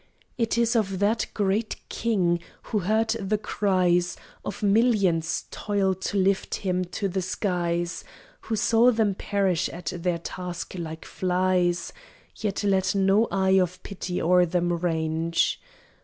It is of that Great king, who heard the cries Of millions toil to lift him to the skies, Who saw them perish at their task like flies, Yet let no eye of pity o'er them range.